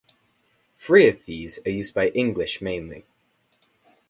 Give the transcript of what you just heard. Three of these are used by English mainly.